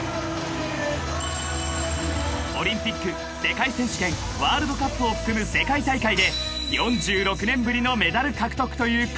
［オリンピック世界選手権ワールドカップを含む世界大会で４６年ぶりのメダル獲得という快挙を成し遂げた］